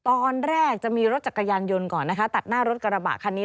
ตอนแรกจะมีรถจักรยานยนต์ก่อนนะคะตัดหน้ารถกระบะคันนี้